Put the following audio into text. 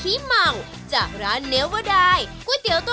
คนที่มาทานอย่างเงี้ยควรจะมาทานแบบคนเดียวนะครับ